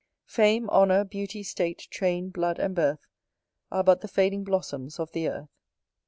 Fame, Honour, Beauty, State, Train, Blood and Birth, Are but the fading blossoms of the earth.